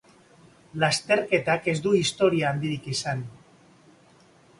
Lasterketak ez du historia handirik izan.